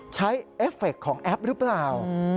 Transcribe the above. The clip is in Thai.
เอฟเฟคของแอปหรือเปล่า